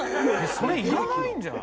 それいらないんじゃない？